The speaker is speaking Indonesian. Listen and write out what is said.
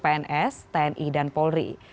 pns tni dan polri